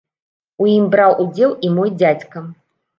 У ім браў удзел і мой дзядзька.